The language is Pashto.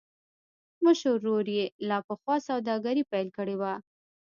مشر ورور يې لا پخوا سوداګري پيل کړې وه.